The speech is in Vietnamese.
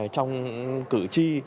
trong cử tri